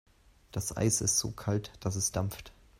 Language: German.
Das Eis ist so kalt, dass es dampft.